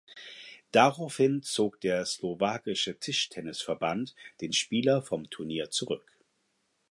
Daraufhin zog der slowakische Tischtennisverband den Spieler vom Turnier zurück.